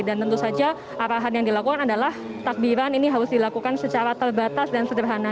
dan tentu saja arahan yang dilakukan adalah takbiran ini harus dilakukan secara terbatas dan sederhana